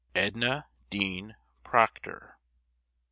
EDNA DEAN PROCTOR.